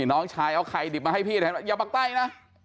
น้องชายเอาไข่ดิบมาให้พี่อย่าบังเต้นนะ